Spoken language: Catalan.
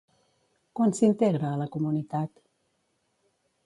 Quan s'integra a la comunitat?